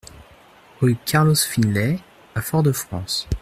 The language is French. Rue Carlos Finlay à Fort-de-France